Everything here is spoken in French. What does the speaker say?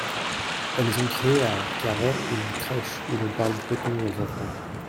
Elles ont créé à Carhaix une crèche où l’on parle breton aux enfants.